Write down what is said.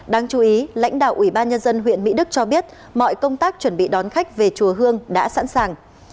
đáng chú ý lãnh đạo ủy ban nhân dân huyện mỹ đức cho biết mọi công tác chuẩn bị đón khách về chùa hương đã sẵn sàng